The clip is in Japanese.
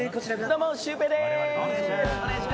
どうも、シュウペイです！